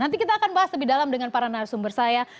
nanti kita akan bahas lebih dalam dengan para narasumber saya